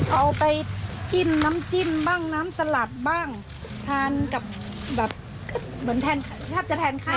เอาไปจิ้มน้ำจิ้มบ้างน้ำสลัดบ้างทานกับแบบเหมือนแทนแทบจะแทนไข้